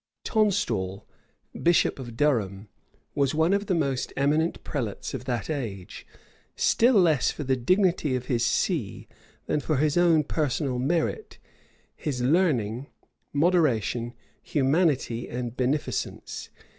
Tonstal, bishop of Durham, was one of the most eminent prelates of that age, still less for the dignity of his see, than for his own personal merit, his learning, moderation, humanity, and beneficence.